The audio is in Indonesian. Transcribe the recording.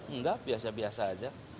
enggak biasa biasa aja